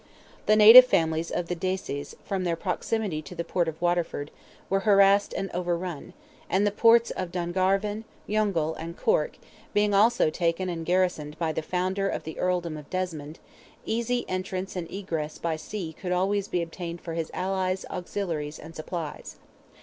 The native families of the Desies, from their proximity to the port of Waterford, were harassed and overrun, and the ports of Dungarvan, Youghal, and Cork, being also taken and garrisoned by the founder of the earldom of Desmond, easy entrance and egress by sea could always be obtained for his allies, auxiliaries, and supplies.